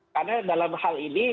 karena dalam hal ini